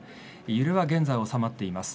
揺れは現在、収まっています。